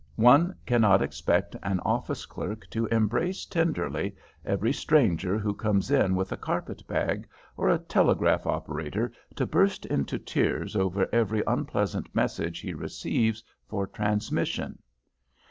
One cannot expect an office clerk to embrace tenderly every stranger who comes in with a carpet bag, or a telegraph operator to burst into tears over every unpleasant message he receives for transmission.